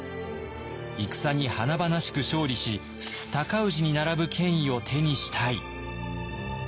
戦に華々しく勝利し尊氏に並ぶ権威を手にしたい。